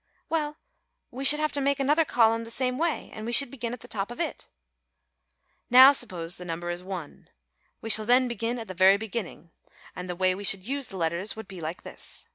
"Well, we should have to make another column the same way and we should begin at the top of it." "Now suppose the number is 1, we shall then begin at the very beginning, and the way we should use the letters would be like this.